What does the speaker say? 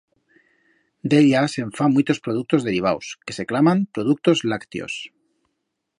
D'ella, se'n fa muitos productos derivaus, que se claman productos lactios.